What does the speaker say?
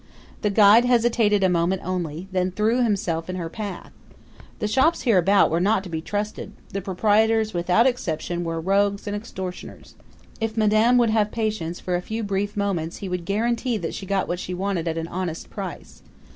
The guide hesitated a moment only, then threw himself in her path. The shops hereabout were not to be trusted the proprietors, without exception, were rogues and extortioners. If madame would have patience for a few brief moments he would guarantee that she got what she wanted at an honest price.